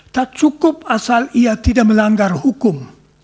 tak cukup asal ia tidak melanggar hukum